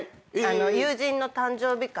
友人の誕生日会で。